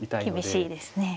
厳しいですね。